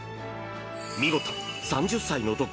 見事、３０歳の時